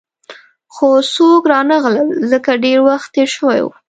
خو څوک رانغلل، ځکه ډېر وخت تېر شوی وو.